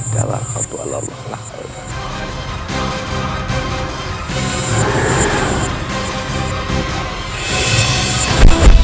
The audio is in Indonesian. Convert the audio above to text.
ittawah khatuh allahul allahulah khairul rahim